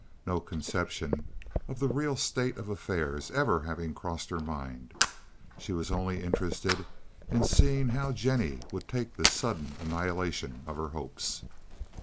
No conception of the real state of affairs ever having crossed her mind, she was only interested in seeing how Jennie would take this sudden annihilation of her hopes.